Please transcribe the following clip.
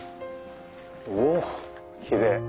うおっキレイ。